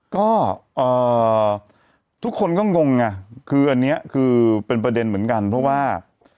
ก็ทุกคนก็งงไงคืออันนี้คือเป็นประเด็นเหมือนกันเพราะว่า